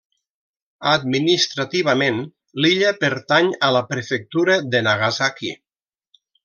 Administrativament, l'illa pertany a la Prefectura de Nagasaki.